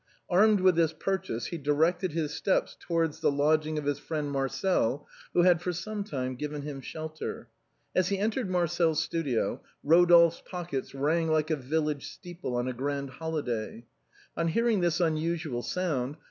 Armed with this purchase, he directed his steps towards the lodging of his friend Marcel, who had for some time given him shelter. As he entered Marcel's studio, Ro dolphe's pockets rang like a village steeple on a grand holi day. On hearing this unusual sound.